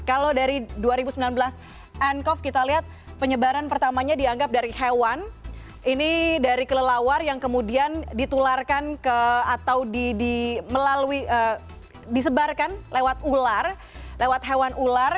kalau dari dua ribu sembilan belas ncov kita lihat penyebaran pertamanya dianggap dari hewan ini dari kelelawar yang kemudian ditularkan ke atau disebarkan lewat ular lewat hewan ular